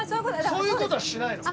そういう事はしないの？